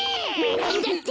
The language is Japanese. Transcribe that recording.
なんだって！